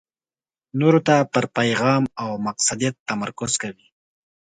نورو ته پر پېغام او مقصدیت تمرکز کوي.